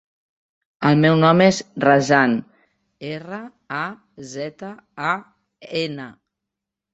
El meu nom és Razan: erra, a, zeta, a, ena.